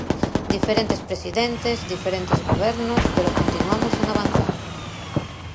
Diferentes presidentes, diferentes gobernos, pero continuamos sen avanzar.